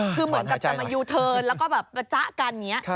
คือเหมือนจะมายูเทินน์แล้วก็แบบปัจจั้นกันอย่างนี้